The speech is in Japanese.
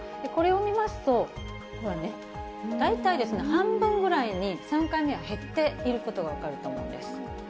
これを見ますと、大体半分ぐらいに、３回目は減っていることが分かると思います。